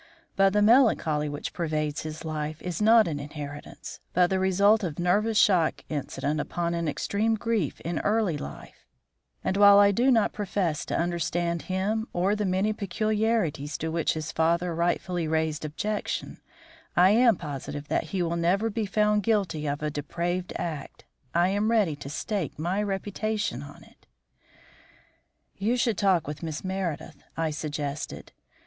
But the melancholy which pervades his life is not an inheritance, but the result of nervous shock incident upon an extreme grief in early life, and while I do not profess to understand him or the many peculiarities to which his father rightfully raised objection, I am positive that he will never be found guilty of a depraved act. I am ready to stake my reputation on it." "You should talk with Miss Meredith," I suggested.